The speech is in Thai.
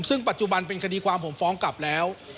ซึ่งปัจจุบันเป็นคดีความผมฟ้องกลับแล้ว